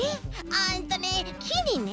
えっとねきにね